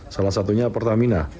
salah satunya pertamina